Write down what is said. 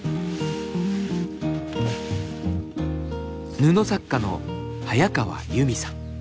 布作家の早川ユミさん。